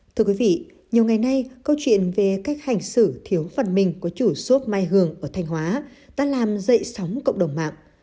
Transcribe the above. thưa quý vị nhiều ngày nay câu chuyện về cách hành xử thiếu phần mình của chủ sốp mai hường ở thanh hóa đã làm dậy sóng cộng đồng mạng